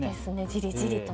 じりじりと。